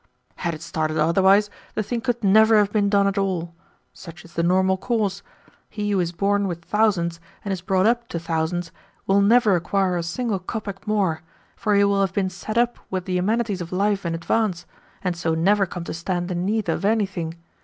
"Had it started otherwise, the thing could never have been done at all. Such is the normal course. He who is born with thousands, and is brought up to thousands, will never acquire a single kopeck more, for he will have been set up with the amenities of life in advance, and so never come to stand in need of anything.